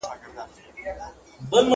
قران د پوهې او حکمت کتاب دی.